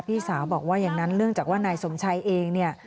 พี่สาวบอกว่าอย่างนั้นเนื่องจากว่านายสมชัยเองเนี่ย